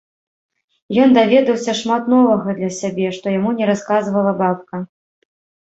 Ён даведаўся шмат новага для сябе, што яму не расказвала бабка.